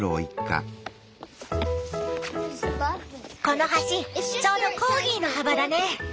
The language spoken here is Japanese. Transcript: この橋ちょうどコーギーの幅だね。